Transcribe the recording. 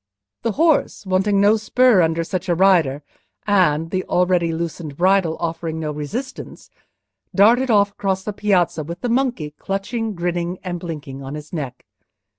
The horse wanted no spur under such a rider, and, the already loosened bridle offering no resistance, darted off across the piazza, with the monkey, clutching, grinning, and blinking, on his neck.